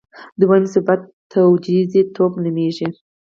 دویم صفت تجویزی توب نومېږي.